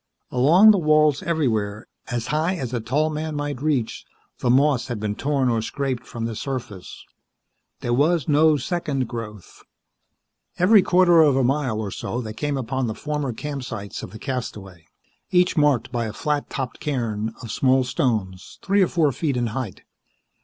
Along the walls, everywhere, as high as a tall man might reach, the moss had been torn or scraped from the surface. There was no second growth. Every quarter of a mile or so they came upon the former campsites of the castaway, each marked by a flat topped cairn of small stones three or four feet in height.